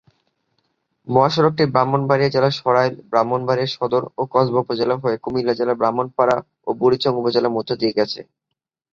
মহাসড়কটি ব্রাহ্মণবাড়িয়া জেলার সরাইল, ব্রাহ্মণবাড়িয়া সদর ও কসবা উপজেলা হয়ে কুমিল্লা জেলার ব্রাহ্মণপাড়া ও বুড়িচং উপজেলার মধ্য দিয়ে গেছে।